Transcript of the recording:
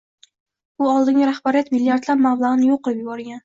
U oldingi rahbariyat milliardlab mablagʻni yoʻq qilib yuborgan.